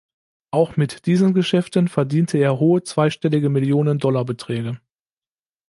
Auch mit diesen Geschäften verdiente er hohe zweistellige Millionen-Dollar-Beträge.